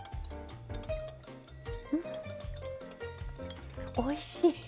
うんおいしい。